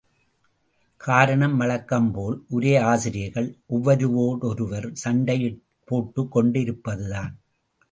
காரணம், வழக்கம்போல், உரையாசிரியர்கள் ஒருவரோடொருவர் சண்டை, போட்டுக் கொண்டிருப்பதுதான்.